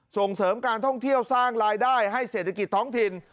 ส่งเสริมการท่องเที่ยวสร้างรายได้ให้เศรษฐกิจท้องถิ่น